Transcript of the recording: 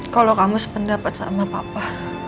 kalau kamu sependapat sama papa